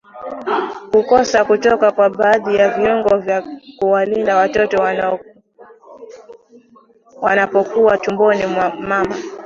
Kukosa kutoka kwa baadhi ya viungo vya kuwalinda watoto wanapokuwa tumboni mwa mama